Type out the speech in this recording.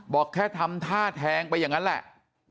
บอกแค่ทำท่าแทงไปอย่างนั้นแหละ